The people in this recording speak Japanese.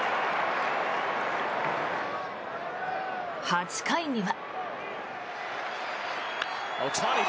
８回には。